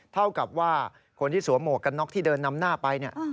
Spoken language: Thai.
เท่ากับว่าคนที่สวมหมวกกันน็อกที่เดินนำหน้าไปเนี่ย